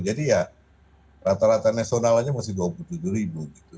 jadi ya rata rata nasionalnya masih dua puluh tujuh ribu gitu